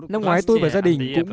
năm ngoái tôi và gia đình cũng